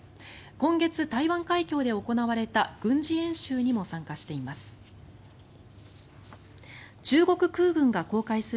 今月、台湾海峡で行われた軍事演習にも参加しています。